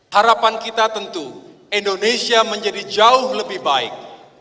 harapan kita tentu indonesia menjadi jauh lebih baik